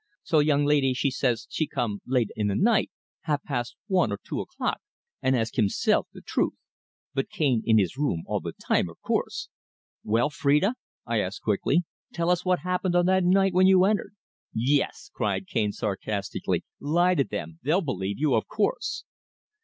So young laidee she says she come late in the night half past one or two o'clock and ask himself the truth. But Cane in his room all the time, of course." "Well, Phrida?" I asked quickly. "Tell us what happened on that night when you entered." "Yes," cried Cane sarcastically, "Lie to them they'll believe you, of course!"